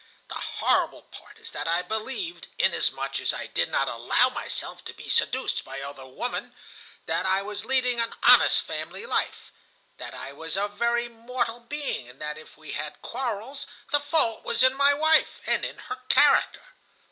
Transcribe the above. The horrible part is that I believed, inasmuch as I did not allow myself to be seduced by other women that I was leading an honest family life, that I was a very moral being, and that if we had quarrels, the fault was in my wife, and in her character.